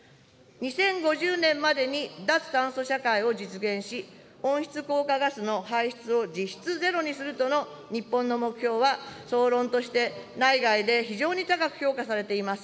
２０５０年までに脱炭素社会を実現し、温室効果ガスの排出を実質ゼロにするとの日本の目標は、総論として内外で非常に高く評価されています。